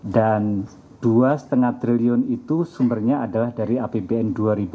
dan rp dua lima triliun itu sumbernya adalah dari apbn dua ribu delapan belas